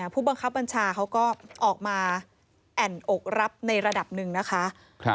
ผู้บังคับบัญชาเขาก็ออกมาแอ่นอกรับในระดับหนึ่งนะคะ